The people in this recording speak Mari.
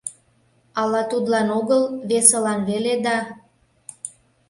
Ала тудлан огыл, весылан веле да?